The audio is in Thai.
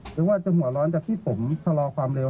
หรือว่าจะหัวร้อนจากที่ผมชะลอความเร็ว